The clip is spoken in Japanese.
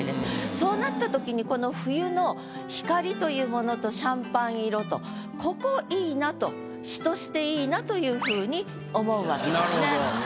そうなった時にこの冬の光というものとシャンパン色と詩として良いなというふうに思うわけですね。